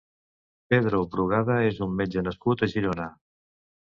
Pedro Brugada és un metge nascut a Girona.